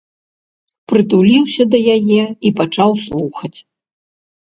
Прытуліўся да яе і пачаў слухаць.